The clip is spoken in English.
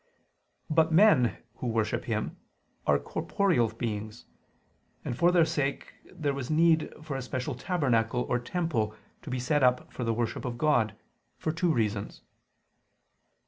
But men, who worship Him, are corporeal beings: and for their sake there was need for a special tabernacle or temple to be set up for the worship of God, for two reasons.